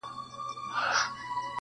ځوانان پرې بحث کوي کله,